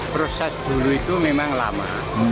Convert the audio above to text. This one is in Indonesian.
proses dulu itu memang lama